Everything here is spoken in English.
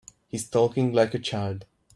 He's talking like a child.